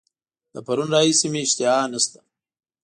د پرون راهیسي مي اشتها نسته.